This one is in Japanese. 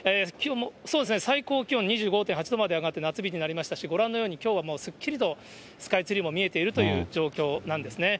そうですね、最高気温２５．８度まで上がって夏日になりましたし、ご覧のように、きょうはすっきりとスカイツリーも見えているという状況なんですね。